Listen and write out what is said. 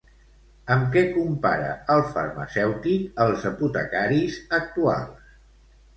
Amb què compara el farmacèutic els apotecaris actuals?